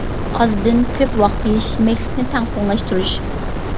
ئازدىن كۆپ ۋاق يېيىش، يېمەكلىكنى تەڭپۇڭلاشتۇرۇش.